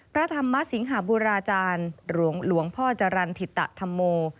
พระธรรมสิงหาบุราจารย์หลวงพ่อจรรย์ถิตธรรมโม